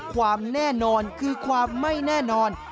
ความแน่นอนคือความไม่แน่นอน